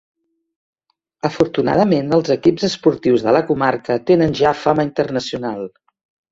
Afortunadament els equips esportius de la comarca tenen ja fama internacional.